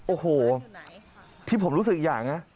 โอ้โหที่ผมรู้สึกอีกอย่างนะ